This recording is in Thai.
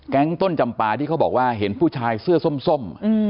ต้นจำปาที่เขาบอกว่าเห็นผู้ชายเสื้อส้ม